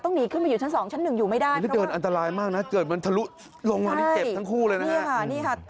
ต้องหนีขึ้นไปอยู่ชั้นสองชั้นหนึ่งอยู่ไม่ได้เดินอันตรายมากนะเดินเหมือนทะลุลงมาที่เก็บทั้งคู่เลยนะคะ